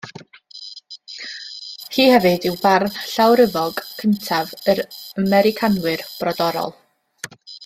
Hi hefyd yw Bardd Llawryfog cyntaf yr Americanwyr Brodorol.